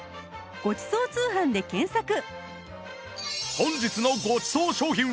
本日のごちそう商品は